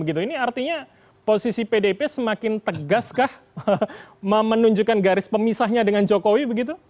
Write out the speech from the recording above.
ini artinya posisi pdp semakin tegas kah menunjukkan garis pemisahnya dengan jokowi